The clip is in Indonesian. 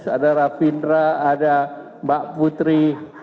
ada raffindra ada mbak putri